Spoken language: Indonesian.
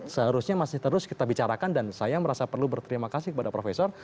seharusnya masih terus kita bicarakan dan saya merasa perlu berterima kasih kepada profesor